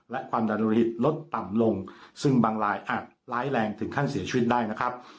และความดันโลหิตลดต่ำลงซึ่งบางรายอาจร้ายแรงถึงขั้นเสียชีวิตได้นะครับ